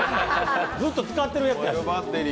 ずっと使ってるやつやねん。